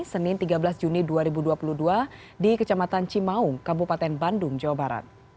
senin tiga belas juni dua ribu dua puluh dua di kecamatan cimaung kabupaten bandung jawa barat